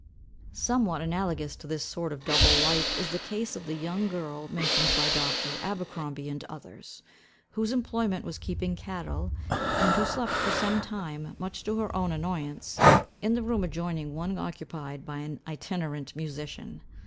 Somewhat analogous to this sort of double life is the case of the young girl mentioned by Dr. Abercrombie and others, whose employment was keeping cattle, and who slept for some time, much to her own annoyance, in the room adjoining one occupied by an itinerant musician.